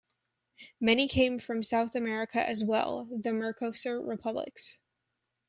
Many came from South America as well-the Mercosur Republics.